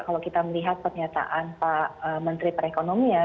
kalau kita melihat pernyataan pak menteri perekonomian